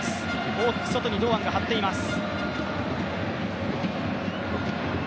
大きく外に堂安が張っています。